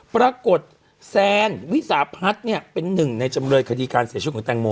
แซนวิสาพัฒน์เนี่ยเป็นหนึ่งในจำเลยคดีการเสียชีวิตของแตงโม